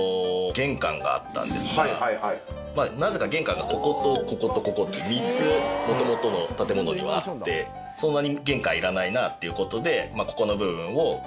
なぜか玄関がこことこことここって３つ元々の建物にはあってそんなに玄関いらないなっていうことで。